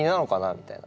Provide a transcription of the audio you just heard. みたいな。